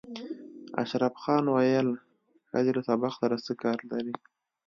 اشرف خان ویل ښځې له سبق سره څه کار لري